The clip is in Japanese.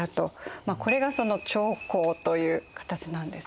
これがその朝貢という形なんですね。